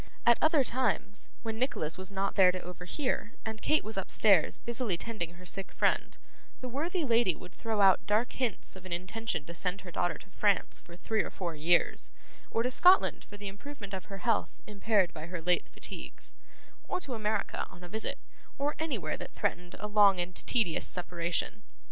At other times, when Nicholas was not there to overhear, and Kate was upstairs busily tending her sick friend, the worthy lady would throw out dark hints of an intention to send her daughter to France for three or four years, or to Scotland for the improvement of her health impaired by her late fatigues, or to America on a visit, or anywhere that threatened a long and tedious separation.